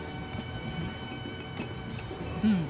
うん。